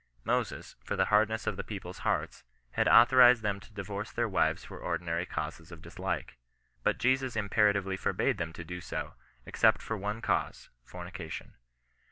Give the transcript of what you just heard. Moses, for the hardness of the people's hearts, had au thorized them to divorce their wives for ordinary causes of dislike. But Jesus imperatively forbade them to do so, except for one cause — fornication.